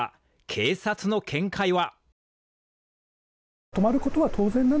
警察の見解は。